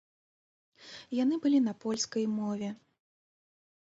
Яны былі на польскай мове.